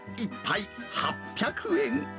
１杯８００円。